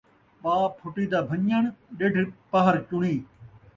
پاء پھٹی دا بھنڄݨ، ݙڈھ پہر چݨی